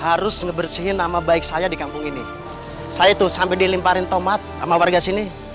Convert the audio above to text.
harus ngebersihin nama baik saya di kampung ini saya tuh sampai dilemparin tomat sama warga sini